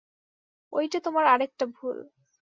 ঐটে তোমার আর-একটা ভুল।